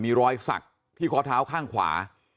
มีรอยศักดิ์ที่คอเท้าข้างขวา